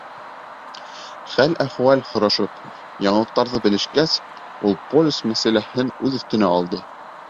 Хәл-әхүәл һорашып, яңылыҡтарҙы белешкәс, ул полис мәсьәләһен үҙ өҫтөнә алды.